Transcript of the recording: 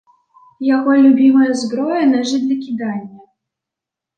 Яго любімая зброя нажы для кідання.